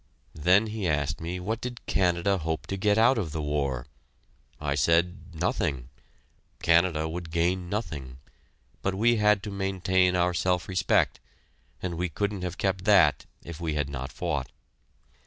Then he asked me what did Canada hope to get out of the war? I said, "Nothing" Canada would gain nothing but we had to maintain our self respect, and we couldn't have kept that if we had not fought.